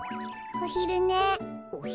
おひるね？